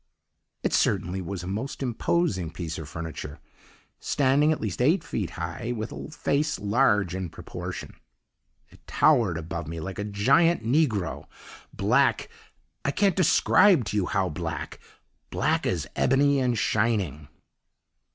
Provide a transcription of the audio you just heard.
"It certainly was a most imposing piece of furniture. Standing at least eight feet high, with a face large in proportion, it towered above me like a giant negro black I can't describe to you how black black as ebony and shining.